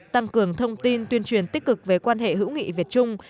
tăng cường thông tin tuyên truyền tích cực về quan hệ hữu nghị việt trung